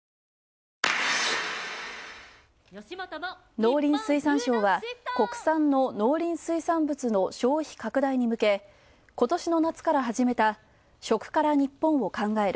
農林水産省は、国産の農林水産物の消費拡大に向け今年の夏から始めた、食から日本を考える。